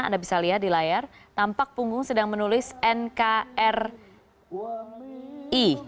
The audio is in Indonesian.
anda bisa lihat di layar tampak punggung sedang menulis nkri